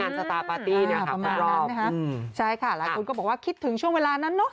งานทีวีพูลประมาณนั้นใช่ค่ะหลายคนก็บอกว่าคิดถึงช่วงเวลานั้นเนอะ